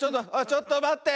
ちょっとまって。